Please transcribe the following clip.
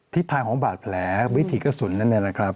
ทิศทางของบาดแผลวิธีกระสุนนั้น